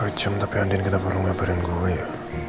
udah satu jam tapi andien kita baru ngabarin gue ya